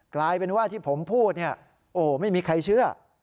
กลายเป็นว่าที่ผมพูดเนี่ยโอ้ไม่มีใครเชื่อ